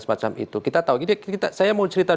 semacam itu kita tahu jadi kita saya mau cerita